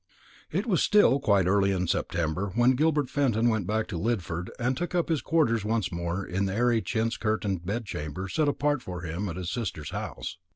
It was still quite early in September when Gilbert Fenton went back to Lidford and took up his quarters once more in the airy chintz curtained bedchamber set apart for him in his sister's house.